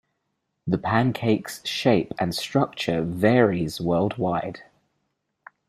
The pancake's shape and structure varies worldwide.